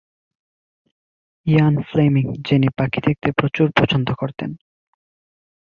ইয়ান Fleming, যিনি পাখি দেখতে প্রচুর পছন্দ করতেন।